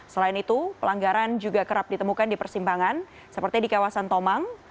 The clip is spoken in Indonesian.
selain itu pelanggaran juga kerap ditemukan di persimpangan seperti di kawasan tomang